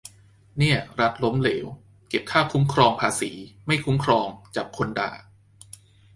เนี่ย รัฐล้มเหลว เก็บค่าคุ้มครองภาษี ไม่คุ้มครอง จับคนด่า